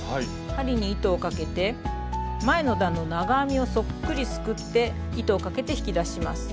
針に糸をかけて前の段の長編みをそっくりすくって糸をかけて引き出します。